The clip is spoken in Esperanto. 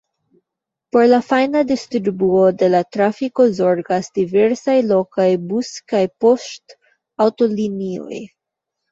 Por la fajna distribuo de la trafiko zorgas diversaj lokaj bus- kaj poŝtaŭtolinioj.